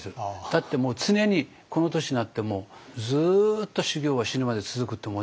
だってもう常にこの年になってもずっと修業は死ぬまで続くって思ってるから。